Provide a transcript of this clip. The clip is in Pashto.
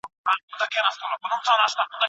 چې د مينې شتمني درباندې داو کړو